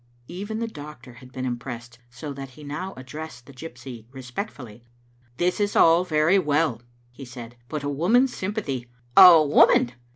Even the doctor had been impressed, so that he now addressed the gypsy respectfully. "This is all very well," he said, "but a woman's sympathy "" A woman